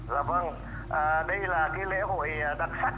dạ vâng đây là lễ hội đặc sắc